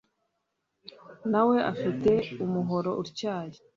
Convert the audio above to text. na we afite umuhoro utyaye.